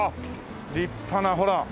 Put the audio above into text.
立派なほら。